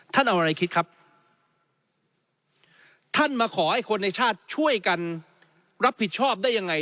ท่านเอาอะไรคิดครับท่านมาขอให้คนในชาติช่วยกันรับผิดชอบได้ยังไง